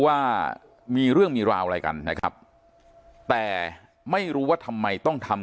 ว่ามีเรื่องมีราวอะไรกันนะครับแต่ไม่รู้ว่าทำไมต้องทำ